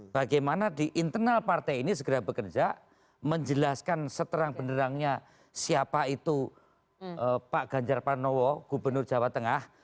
bagaimana di internal partai ini segera bekerja menjelaskan seterang benerangnya siapa itu pak ganjar panowo gubernur jawa tengah